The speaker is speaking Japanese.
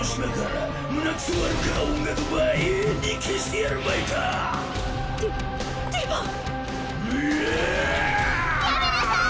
やめなさぁい！